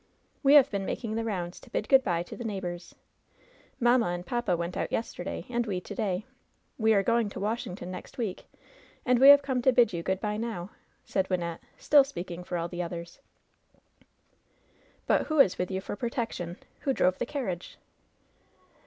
"We have been making the rounds to bid good by to the neighbors. Mamma and papa went out yesterday, and we to day. We are going to Washington next week, and we have come to bid you good by now," said Wyn nette, still speaking for all the others. 20 LOVE'S BITTEREST CUP "But who is with you for protection ? Who drove the carria^ ?"